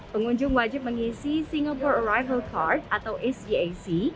pengunjung wajib mengisi singapore arrival card atau sgac